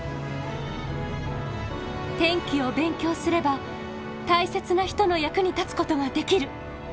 天気を勉強すれば大切な人の役に立つことができる！